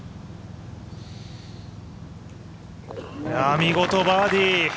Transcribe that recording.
見事バーディー。